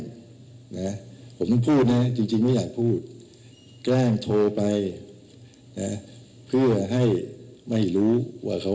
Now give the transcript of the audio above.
นะผมต้องพูดนะจริงไม่อยากพูดแกล้งโทรไปนะเพื่อให้ไม่รู้ว่าเขา